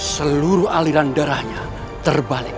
seluruh aliran darahnya terbalik